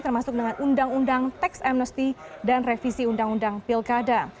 termasuk dengan undang undang teks amnesty dan revisi undang undang pilkada